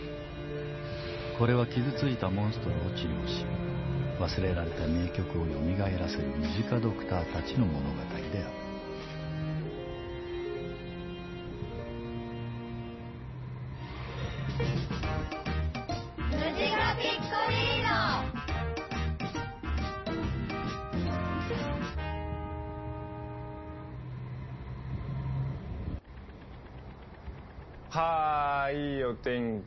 これは傷ついたモンストロを治療し忘れられた名曲をよみがえらせるムジカドクターたちの物語であるはぁいいお天気。